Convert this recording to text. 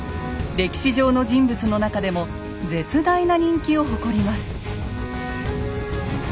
歴史上の人物の中でも絶大な人気を誇ります。